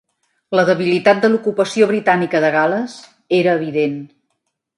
La debilitat de l'ocupació britànica de Gal·les era evident.